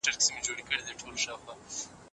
نړیوال بانکونه د زعفرانو ملاتړ کوي.